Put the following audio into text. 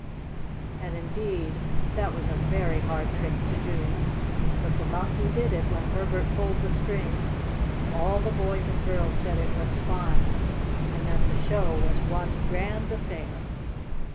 And, indeed, that was a very hard trick to do. But the Monkey did it when Herbert pulled the string, and all the boys and girls said it was fine, and that the show was one grand affair.